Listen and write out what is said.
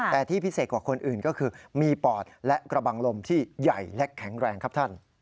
แต่ที่พิเศษกว่าคนอื่นก็คือมีปอดและกระบังลมที่ใหญ่และแข็งแรงครับท่าน